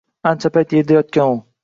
Ancha payt yerda yotgan u.